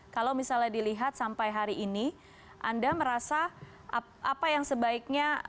kalau misalnya dilihat sampai hari ini anda merasa apa yang sebaiknya